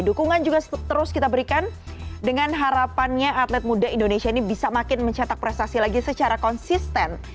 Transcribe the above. dukungan juga terus kita berikan dengan harapannya atlet muda indonesia ini bisa makin mencetak prestasi lagi secara konsisten